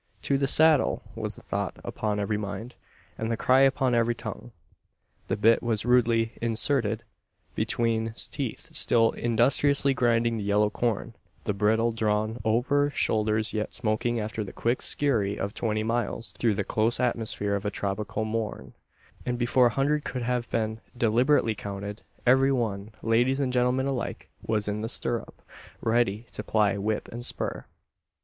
"To the saddle!" was the thought upon every mind, and the cry upon every tongue. The bit was rudely inserted between teeth still industriously grinding the yellow corn; the bridle drawn over shoulders yet smoking after the quick skurry of twenty miles through the close atmosphere of a tropical morn; and, before a hundred could have been deliberately counted, every one, ladies and gentlemen alike, was in the stirrup, ready to ply whip and spur.